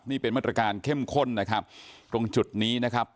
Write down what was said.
นี่เป็นมาตรการเข้มข้นนะครับตรงจุดนี้นะครับ